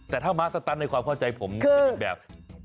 แต่ถ้าม้าสตันในความเข้าใจผมเป็นอีกแบบ